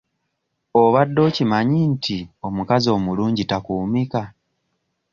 Obadde okimanyi nti omukazi omulungi takuumika?